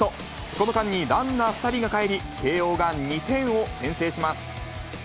この間にランナー２人がかえり、慶応が２点を先制します。